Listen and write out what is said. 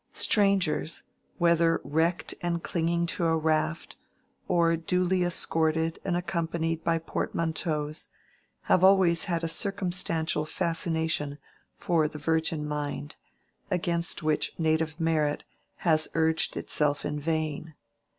Strangers, whether wrecked and clinging to a raft, or duly escorted and accompanied by portmanteaus, have always had a circumstantial fascination for the virgin mind, against which native merit has urged itself in vain.